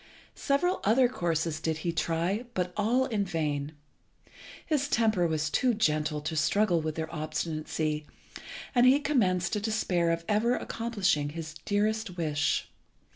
Several other courses did he try, but all in vain. His temper was too gentle to struggle with their obstinacy, and he commenced to despair of ever accomplishing his dearest wish.